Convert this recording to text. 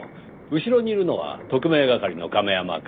後ろにいるのは特命係の亀山薫くん。